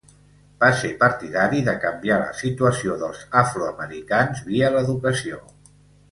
Va ser partidari de canviar la situació dels afroamericans via l'educació.